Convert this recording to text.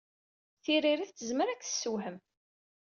Tiririt tezmer ad k-tessewhem.